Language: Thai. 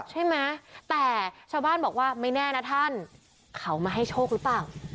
ใช่ไหมแต่ชาวบ้านบอกว่าไม่แน่นะท่านเขามาให้โชคหรือเปล่า